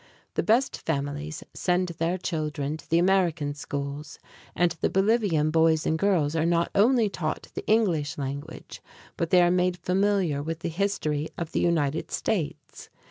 The best families send their children to the American schools, and the Bolivian boys and girls are not only taught the English language, but they are made familiar with the history of the United States.